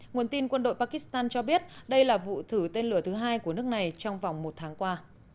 nguồn tin quân đội pakistan cho biết đây là vụ thử tên lửa thứ hai của nước này trong vòng một tháng qua